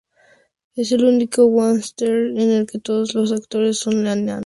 Es el único western en el que todos los actores son enanos.